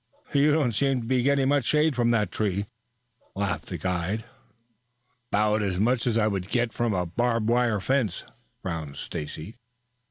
"You don't seem to be getting much shade from that tree," laughed the guide. "'Bout as much as I would from a barbed wire fence," frowned Stacy.